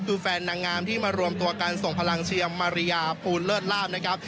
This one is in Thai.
คือแฟนนางงามที่มารวมตัวกันส่งพลังเชียร์มาริยาภูลเลิศลาบนะครับ